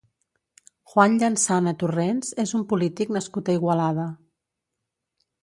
Juan Llansana Torrents és un polític nascut a Igualada.